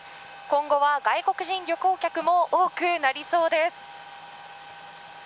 今後は外国人旅行客も多くなりそうです。